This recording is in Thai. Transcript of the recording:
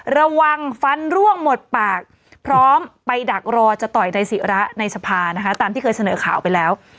ระวังฟันร่วงหมดปากพร้อมไปดักรอจะต่อยนายศิระในสภานะคะตามที่เคยเสนอข่าวไปแล้ว